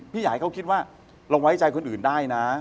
อยากให้เขาคิดว่าเราไว้ใจคนอื่นได้นะ